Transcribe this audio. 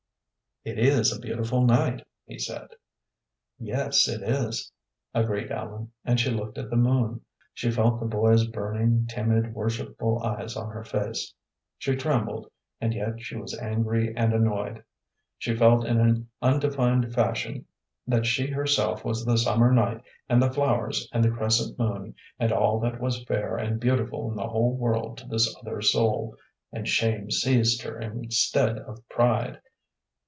"It is a beautiful night," he said. "Yes, it is," agreed Ellen, and she looked at the moon. She felt the boy's burning, timid, worshipful eyes on her face. She trembled, and yet she was angry and annoyed. She felt in an undefined fashion that she herself was the summer night and the flowers and the crescent moon, and all that was fair and beautiful in the whole world to this other soul, and shame seized her instead of pride.